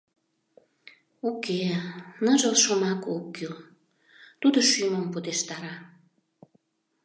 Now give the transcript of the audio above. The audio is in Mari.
Уке, ныжыл шомак ок кӱл, тудо шӱмым пудештара...»